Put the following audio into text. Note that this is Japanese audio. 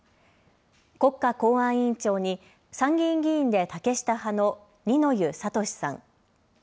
国家公安委員長に参議院議員で竹下派の二之湯智さん。